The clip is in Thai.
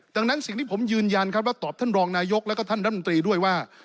ดังนั้นสิ่งที่ผมยืนยันครับว่าตอบท่านรองนายกแล้วก็ท่านรัฐมนตรีด้วยว่า